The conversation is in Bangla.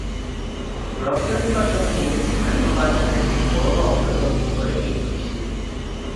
রপ্তানির পাশাপাশি স্থানীয় বাজারের একটি বড় অংশ দখল করে এই প্রতিষ্ঠানটি।